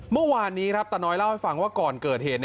เมื่อวานนี้ครับตาน้อยเล่าให้ฟังว่าก่อนเกิดเหตุ